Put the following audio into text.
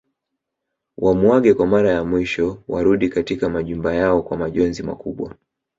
Wamuage kwa Mara ya mwisho warudi katika majumba yao kwa majonzi makubwa